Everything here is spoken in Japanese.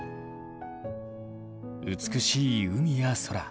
美しい海や空。